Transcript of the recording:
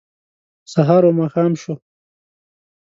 سهار و ماښام شو